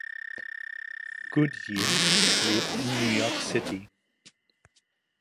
Goodyear lebt in New York City.